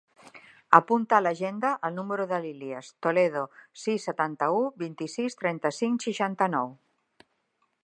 Apunta a l'agenda el número de l'Ilyas Toledo: sis, setanta-u, vint-i-sis, trenta-cinc, seixanta-nou.